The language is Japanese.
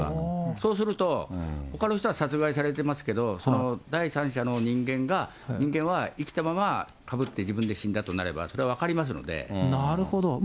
そうすると、ほかの人は殺害されてますけれども、その第三者の人間は、生きたままかぶって自分で死んだとなれば、それは分かりますので。